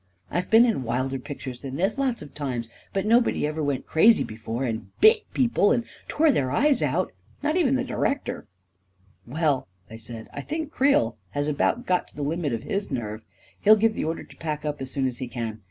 I have been in wilder pictures than this, lots of times, but nobody ever went crazy be fore — and bit people — and tore their eyes out — not even the director I " 11 Well," I said, " I think Creel has about got to the limit of his nerve. He'll give the order to pack up as soon as he can.